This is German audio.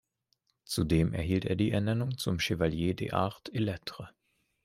Zudem erhielt er die Ernennung zum Chevalier des Arts et Lettres.